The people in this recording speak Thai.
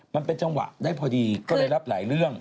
มันเป็นจังหวะได้พอดีก็เลยรับหลายเรื่อง